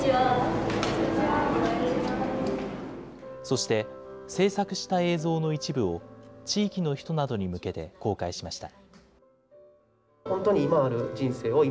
そして、制作した映像の一部を地域の人などに向けて公開しました。